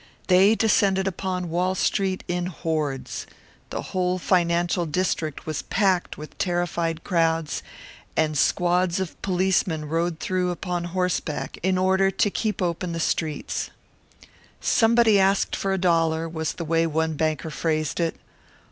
They descended upon Wall Street in hordes the whole financial district was packed with terrified crowds, and squads of policemen rode through upon horseback in order to keep open the streets. "Somebody asked for a dollar," was the way one banker phrased it.